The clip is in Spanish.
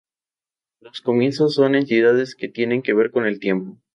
Los comienzos son entidades que tienen que ver con el tiempo.